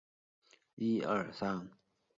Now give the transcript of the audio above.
裂叶翼首花为川续断科翼首花属下的一个种。